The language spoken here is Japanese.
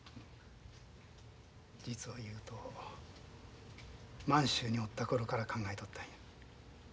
実を言うと満州におった頃から考えとったんや。